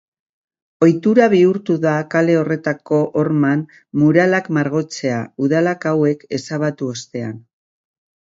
Ohitura bihurtu da kale horretako horman muralak margotzea, udalak hauek ezabatu ostean.